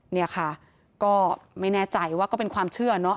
เนี่ยค่ะก็ไม่แน่ใจว่าก็เป็นความเชื่อเนอะ